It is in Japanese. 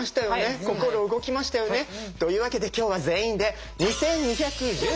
心動きましたよね。というわけで今日は全員で２２１３ハート！